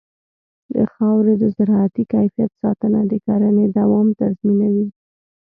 د خاورې د زراعتي کیفیت ساتنه د کرنې دوام تضمینوي.